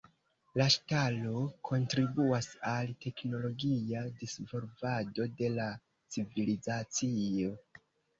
La ŝtalo kontribuas al teknologia disvolvado de la civilizacio.